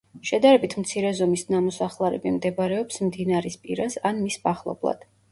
შედარებით მცირე ზომის ნამოსახლარები მდებარეობს მდინარის პირას ან მის მახლობლად.